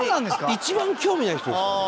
一番興味ない人ですからね。